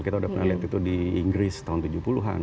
kita udah pernah lihat itu di inggris tahun tujuh puluh an